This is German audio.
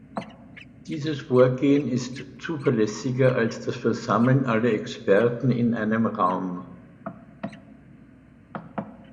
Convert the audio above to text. Dieses Vorgehen ist zuverlässiger als das Versammeln aller Experten in einem Raum.